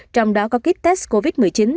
trong đó có kit test covid một mươi chín